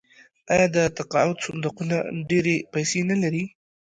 آیا د تقاعد صندوقونه ډیرې پیسې نلري؟